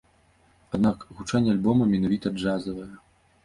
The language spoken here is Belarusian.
Аднак гучанне альбома менавіта джазавае.